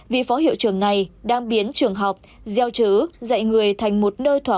vì phó hiệu trưởng này đang biến trường học gieo chứ dạy người thành một nơi thỏa